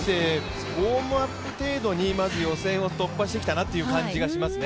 ウォームアップ程度にまず予選を突破してきたっていう感じがしますね。